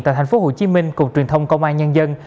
tàu tp hcm cục truyền thông công an nhân dân